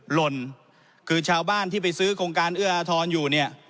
หล่นคือชาวบ้านที่ไปซื้อโครงการเอื้ออทรอยู่เนี่ย